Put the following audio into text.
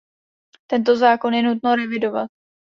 Tento zákon je nutno revidovat.